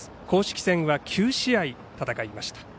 公式戦は９試合戦いました。